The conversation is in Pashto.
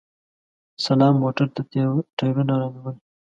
سلام موټر ته ټیرونه رانیول!